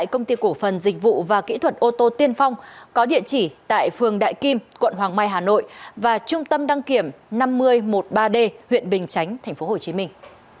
cảnh sát phòng cháy chữa cháy thành phố hồ chí minh